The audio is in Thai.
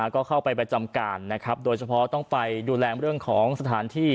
ก็เข้าไปประจำการนะครับโดยเฉพาะต้องไปดูแลเรื่องของสถานที่